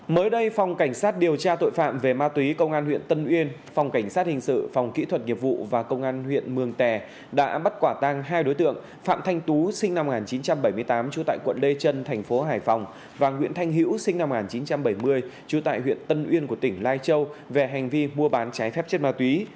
mới đây phòng cảnh sát điều tra tội phạm về ma túy công an huyện tân uyên phòng cảnh sát hình sự phòng kỹ thuật nghiệp vụ và công an huyện mường tè đã bắt quả tang hai đối tượng phạm thanh tú sinh năm một nghìn chín trăm bảy mươi tám trú tại quận lê trân thành phố hải phòng và nguyễn thanh hữu sinh năm một nghìn chín trăm bảy mươi chú tại huyện tân uyên của tỉnh lai châu về hành vi mua bán trái phép chất ma túy